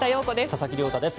佐々木亮太です。